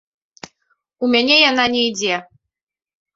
У мяне яна не ідзе.